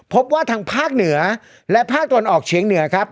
พบว่าทางภาคเหนือและภาคตะวันออกเฉียงเหนือครับ